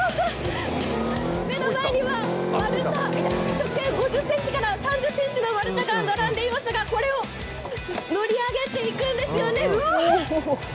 目の前には丸太、直径５０ｃｍから３０ｃｍの丸太が並んでいますがこれを乗り上げていくんですよね。